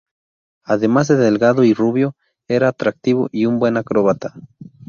Además de delgado y rubio, era atractivo y un buen acróbata.